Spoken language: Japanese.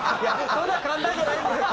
そんな簡単じゃないんですよ！